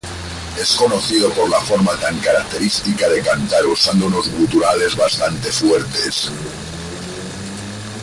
Es conocido por la forma tan característica de cantar usando unos guturales bastante fuertes.